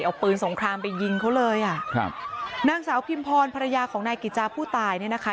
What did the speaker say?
เอาปืนสงครามไปยิงเขาเลยอ่ะครับนางสาวพิมพรภรรยาของนายกิจจาผู้ตายเนี่ยนะคะ